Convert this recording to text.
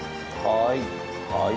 はい。